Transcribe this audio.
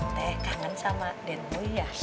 nanti kangen sama denmu ya